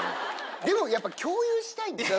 でもやっぱ共有したいんですよ。